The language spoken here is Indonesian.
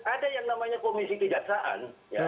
ada yang namanya komisi kejaksaan